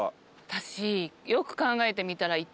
私よく考えてみたら。